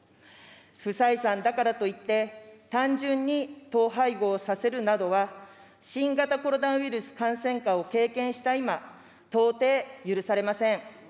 不採算だからといって、単純に統廃合させるなどは、新型コロナウイルス感染禍を経験した今、到底許されません。